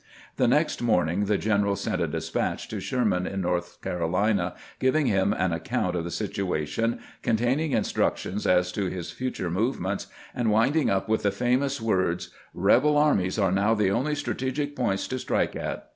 The next morning the general sent a despatch to Sherman in North Carolina, giving him an account of the situa tion, containing instructions as to his future movements, and winding up with the famous words :" Eebel armies are now the only strategic points to strike at."